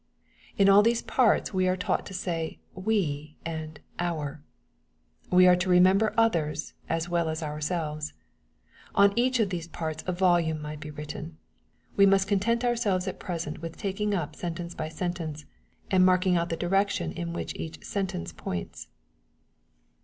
— In all these parts we are taught to say " we," and " our." We are to rememher others, as well as ourselves. — On each of these parts a volume might be written. We must content ourselves at present with taking up sentence by sentence, and marking out the direction in which each sedtence points.